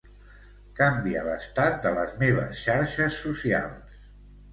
Canvia l'estat de les meves xarxes socials.